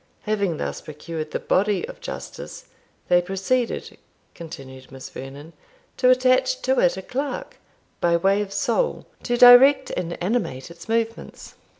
Having thus procured the body of justice, they proceeded," continued Miss Vernon, "to attach to it a clerk, by way of soul, to direct and animate its movements.